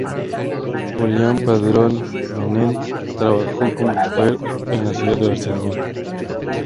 Julián Padrón Manent trabajó como chófer en la ciudad de Barcelona.